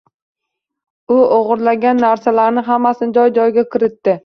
U o‘g‘irlagan narsalarining hammasini joy-joyiga kiritdi.